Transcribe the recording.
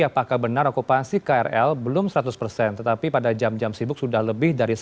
apakah benar okupansi krl belum seratus persen tetapi pada jam jam sibuk sudah lebih dari sepuluh